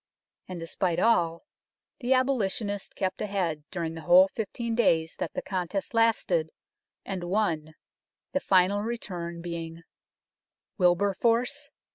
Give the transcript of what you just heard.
And, despite all, the abolitionist kept ahead during the whole fifteen days that the contest lasted, and won, the final return being : Wilberforce